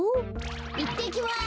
いってきます。